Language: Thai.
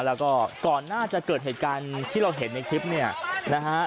แล้วก็ก่อนหน้าจะเกิดเหตุการณ์ที่เราเห็นในคลิปเนี่ยนะฮะ